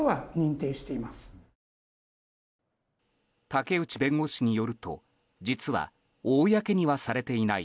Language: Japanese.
竹内弁護士によると実は、公にはされていない